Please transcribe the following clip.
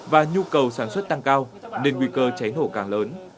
và nhu cầu sản xuất tăng cao nên nguy cơ cháy nổ càng lớn